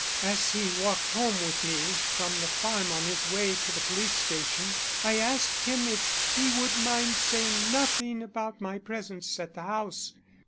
"As he walked home with me from the farm on his way to the police station I asked him if he would mind saying nothing about my presence at the house.